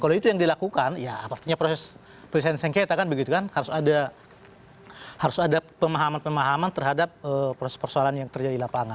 kalau itu yang dilakukan ya pastinya proses penyelesaian sengketa kan begitu kan harus ada pemahaman pemahaman terhadap proses persoalan yang terjadi di lapangan